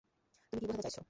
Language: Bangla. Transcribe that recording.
তুমি কি বোঝাতে চাইছো?